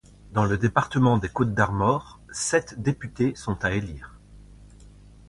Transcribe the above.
Dans le département des Côtes-d'Armor, sept députés sont à élire.